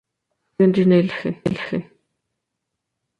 Recibió un Disney Legend.